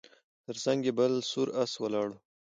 تر څنګ یې بل سور آس ولاړ و